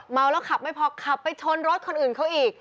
เมาแล้วขับไม่พอขับไปชนรถคนอื่นเขาอีก